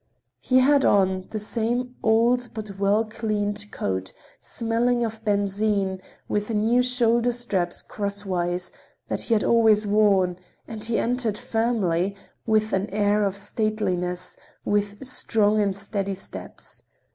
He had on the same old but well cleaned coat, smelling of benzine, with new shoulder straps crosswise, that he had always worn, and he entered firmly, with an air of stateliness, with strong and steady steps.